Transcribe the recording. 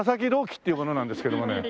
希っていう者なんですけどもね。